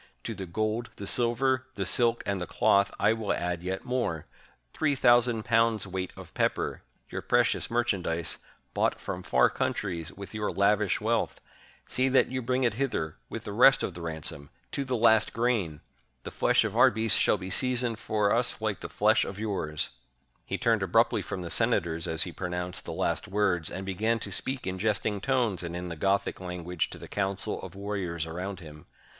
To the gold, the silver, the silk, and the cloth I will add yet more — three thousand pounds' weight of pepper, your precious merchandise, bought from far countries with your lavish wealth !— see that you bring it hither, with the rest of the ransom, to the last grain! The flesh of our beasts shall be seasoned for us like the ^esh oi yours I " He turned abruptly from the senators, as he pro nounced the last words and began to speak in jesting tones and in the Gothic language to the council of war riors around him.